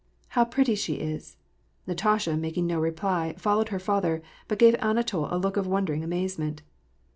" How pretty she is !" Natasha, mak ing no reply, followed her father, but gave Anatol a look of wondering amazement.